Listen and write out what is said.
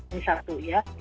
ini satu ya